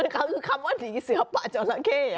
คือคำว่าหนีเสื้อป่าเจาะละเข้